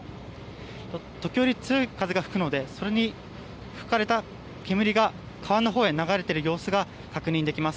時折強い風が吹くのでそれに吹かれた煙が川のほうへ流れている様子が確認できます。